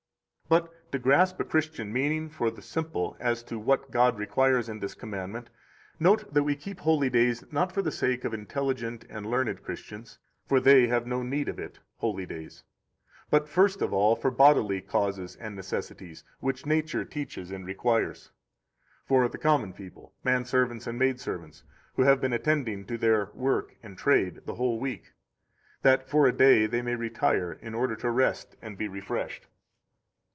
83 But to grasp a Christian meaning for the simple as to what God requires in this commandment, note that we keep holy days not for the sake of intelligent and learned Christians (for they have no need of it [holy days]), but first of all for bodily causes and necessities, which nature teaches and requires; for the common people, man servants and maid servants, who have been attending to their work and trade the whole week, that for a day they may retire in order to rest and be refreshed.